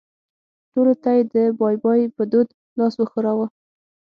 ټولو ته یې د بای بای په دود لاس وښوراوه.